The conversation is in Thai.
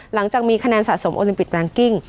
หลังจากมีคะแนนสะสมโอลิมปิกแรงกิ้ง